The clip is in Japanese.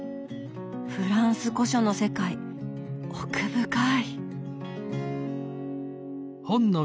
フランス古書の世界奥深い！